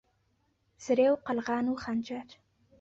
زرێ و قەلغان و خەنجەر